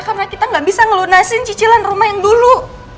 karena kita gak bisa ngelunasin cicilan rumah yang dulu